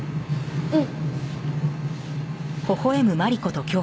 うん。